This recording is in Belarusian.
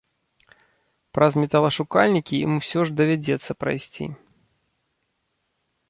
Праз металашукальнікі ім усё ж давядзецца прайсці.